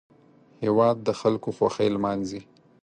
هېواد د خلکو خوښۍ لمانځي